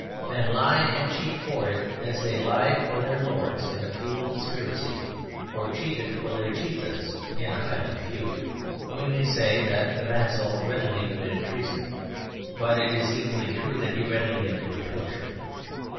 Men lie and cheat for it as they lied for their lords in a feudal conspiracy, or cheated for their chieftains in a Highland feud. We may say that the vassal readily committed treason; but it is equally true that he readily endured torture.